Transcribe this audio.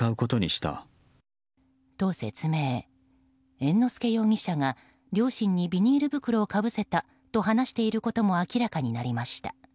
猿之助容疑者が両親にビニール袋をかぶせたと話していることも明らかになりました。